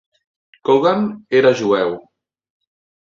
Kogan era jueu.